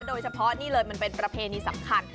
โดยเฉพาะนี่เลยมันเป็นประเพณีสำคัญ